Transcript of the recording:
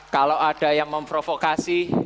kalau ada yang memprovokasi